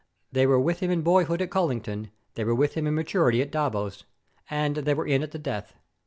They were with him in boyhood at Colinton; they were with him in maturity at Davos; and they were in at the death.